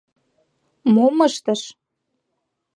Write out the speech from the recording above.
Мом ыштыш?